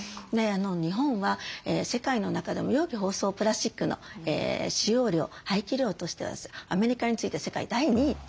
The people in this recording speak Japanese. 日本は世界の中でも容器包装プラスチックの使用量廃棄量としてはアメリカに次いで世界第２位ということなので